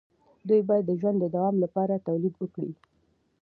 دوی باید د ژوند د دوام لپاره تولید وکړي.